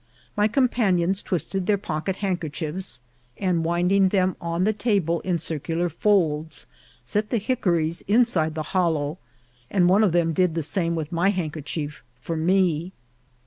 My companions twisted their pocket handker chiefs, and winding them on the table in circular folds, set the hickories inside the hollow, and one of them did the same with my handkerchief for me.